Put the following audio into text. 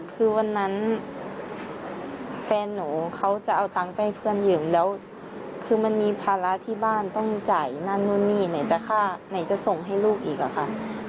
ก็เลยเริ่มมีปากเสียงขึ้นมาหน่อยคิดว่าไม่พอใจมากค่ะ